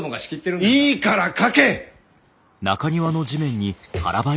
いいから書け！